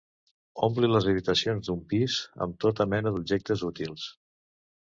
Ompli les habitacions d'un pis amb tota mena d'objectes útils.